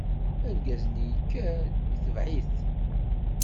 Argaz-nni yekker, itebɛ-it.